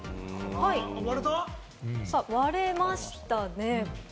割れましたね。